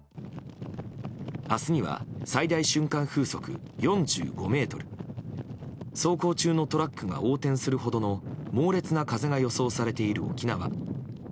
明日には最大瞬間風速４５メートル走行中のトラックが横転するほどの猛烈な風が予想されている沖縄。